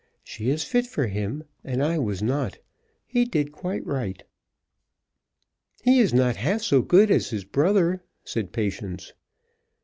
She is fit for him, and I was not. He did quite right." "He is not half so good as his brother," said Patience.